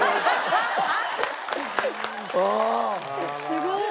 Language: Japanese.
すごーい。